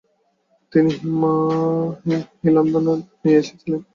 তিনি হিলান্দারে নিয়ে এসেছিলেন।